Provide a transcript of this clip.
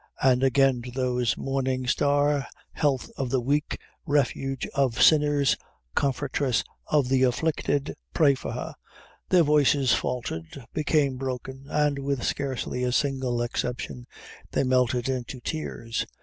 and again to those, "Morning Star, Health of the Weak, Refuge of Sinners, Comfortress of the Afflicted, pray for her!" their voices faltered, became broken, and, with scarcely a single exception, they melted into tears.